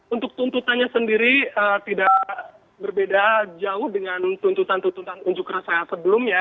untuk tuntutannya sendiri tidak berbeda jauh dengan tuntutan tuntutan unjuk rasa sebelumnya